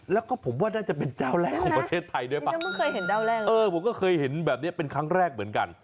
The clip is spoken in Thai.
แล้วก็ผมว่าน่าจะเป็นเจ้าแรกของประเทศไทยด้วยผมก็เคยเห็นแบบนี้เป็นครั้งแรกเหมือนกัน